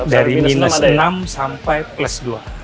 dari minus enam sampai plus dua